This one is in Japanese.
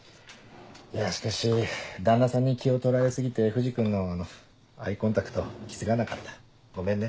いやしかし旦那さんに気を取られ過ぎて藤君のあのアイコンタクト気付かなかったごめんね。